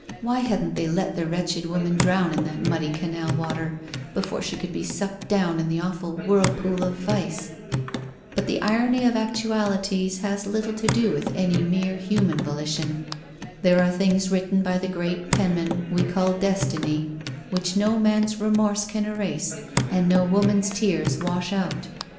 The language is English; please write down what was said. " Why hadn't they let the wretched woman drown in that muddy canal water, before she could be sucked down in the awful whirlpool of vice. It would have been far better," she said softly to her self. But there are things written by the great penman we call destiny, which no man's remorse can erase and no woman's tears wash out.